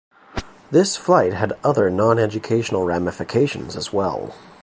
This flight had other, non-educational ramifications as well.